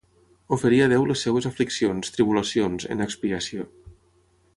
Oferir a Déu les seves afliccions, tribulacions, en expiació.